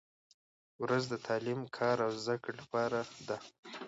• ورځ د تعلیم، کار او زدهکړې لپاره ده.